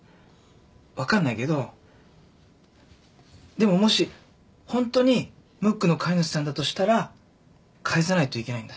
分かんないけどでももしホントにムックの飼い主さんだとしたら返さないといけないんだ。